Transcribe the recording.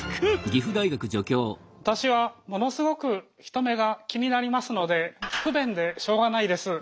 私はものすごく人目が気になりますので不便でしょうがないです。